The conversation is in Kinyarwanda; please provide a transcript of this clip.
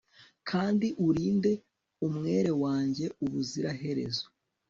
Kandi urinde umwere wanjye ubuziraherezo